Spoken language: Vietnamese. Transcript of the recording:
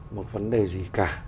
một vấn đề gì cả